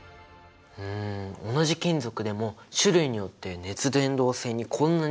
うん同じ金属でも種類によって熱伝導性にこんなに違いがあるんだね！